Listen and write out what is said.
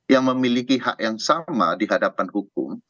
yang memiliki hak yang sama dihadapan hukum